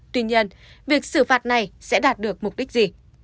tuy nhiên việc xử phạt này sẽ đạt được mục đích gì